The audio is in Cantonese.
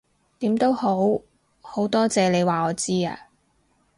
點都好，好多謝你話我知啊